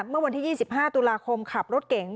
เมื่อวันที่๒๕ตุลาคมขับรถเก๋ง